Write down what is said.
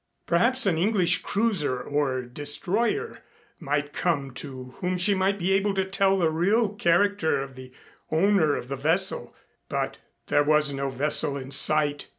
Perhaps an English cruiser or destroyer might come to whom she might be able to tell the real character of the owner of the vessel. But there was no vessel in sight.